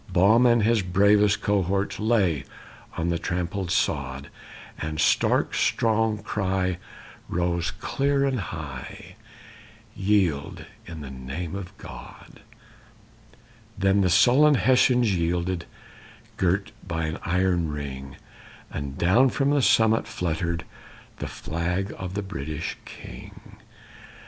Baum and his bravest cohorts Lay on the trampled sod, And Stark's strong cry rose clear and high, "Yield in the name of God!" Then the sullen Hessians yielded, Girt by an iron ring, And down from the summit fluttered The flag of the British king.